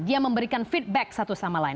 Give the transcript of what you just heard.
dia memberikan feedback satu sama lain